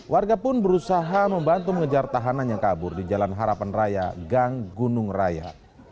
warga pun berusaha membantu mengejar tahanan yang kabur di jalan harapan raya gang gunung raya